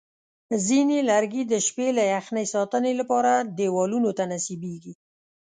ځینې لرګي د شپې له یخنۍ ساتنې لپاره دیوالونو ته نصبېږي.